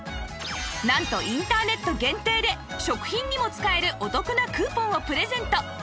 なんとインターネット限定で食品にも使えるお得なクーポンをプレゼント